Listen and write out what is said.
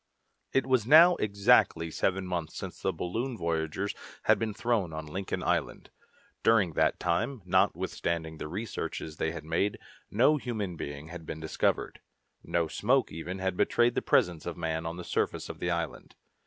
It was now exactly seven months since the balloon voyagers had been thrown on Lincoln Island. During that time, notwithstanding the researches they had made, no human being had been discovered. No smoke even had betrayed the presence of man on the surface of the island.